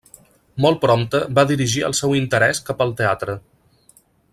Molt prompte va dirigir el seu interès cap al teatre.